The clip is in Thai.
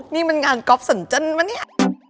นี่มันงานกราฟสัญญาณมะเนี่ย